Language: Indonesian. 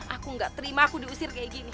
aku gak terima aku diusir kayak gini